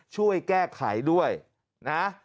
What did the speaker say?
ช่วยแก้ไขด้วยนะ